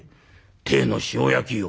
「鯛の塩焼きよ」。